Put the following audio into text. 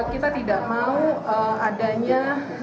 kita tidak mau adanya